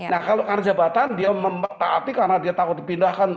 nah kalau karena jabatan dia membata api karena dia takut dipindahkan